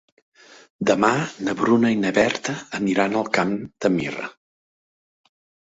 Demà na Bruna i na Berta aniran al Camp de Mirra.